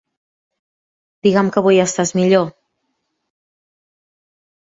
Diga'm que avui estàs millor.